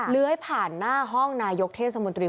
เลื้อยผ่านหน้าห้องนายกเทศมนตรี